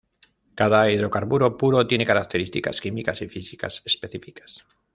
Cada hidrocarburo puro tiene características químicas y físicas específicas.